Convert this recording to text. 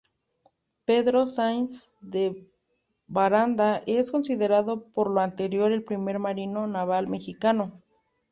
Pedro Sainz de Baranda es considerado por lo anterior el primer marino naval mexicano.